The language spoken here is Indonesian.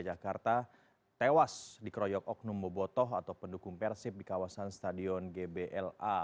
jakarta tewas di kroyok oknum bobotoh atau pendukung persib di kawasan stadion gbl a